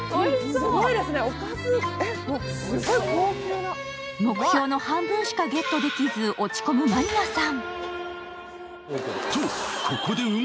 すごいですね、おかず、すごい高級な目標の半分しかゲットできず、落ち込むマニアさん。